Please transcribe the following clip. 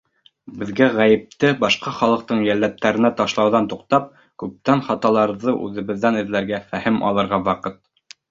Беҙгә ғәйепте башҡа халыҡтың йәлләдтәренә ташлауҙан туҡтап, күптән хаталарҙы үҙебеҙҙән эҙләргә, фәһем алырға ваҡыт.